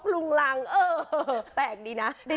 ลุงรังแปลกดีนะ